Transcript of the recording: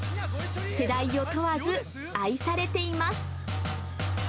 世代を問わず愛されています。